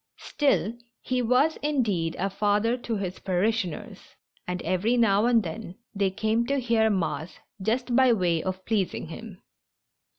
Still, he was, indeed, a father to his parishioners, and every now and then they came to hear mass just by way of pleasing him.